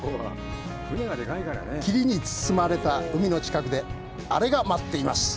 霧に包まれた海の近くであれが待っています。